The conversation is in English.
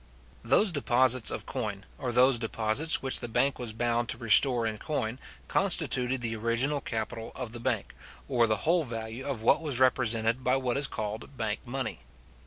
Those deposits of coin, or those deposits which the bank was bound to restore in coin, constituted the original capital of the bank, or the whole value of what was represented by what is called bank money.